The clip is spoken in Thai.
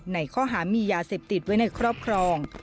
ในข้อหามียาเสพติดไว้ในครอบครอง